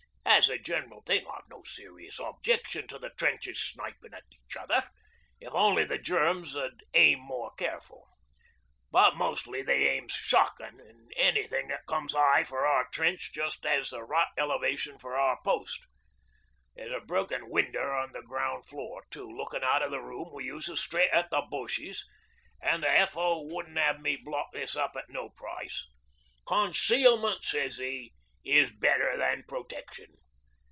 As a general thing I've no serious objection to the trenches snipin' each other, if only the Germs 'ud aim more careful. But mostly they aims shockin' an' anything that comes high for our trench just has the right elevation for our post. There's a broken window on the ground floor too, lookin' out of the room we uses straight at the Boshies, an' the F.O. wouldn't have me block this up at no price. "Concealment," sez he, "is better than protection.